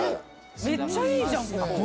めっちゃいいじゃんここ。